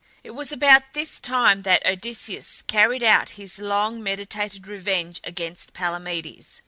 It was about this time that Odysseus carried out his long meditated revenge against Palamedes.